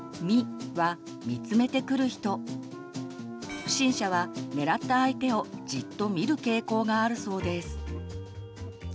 「み」は不審者は狙った相手をじっと見る傾向があるそうです。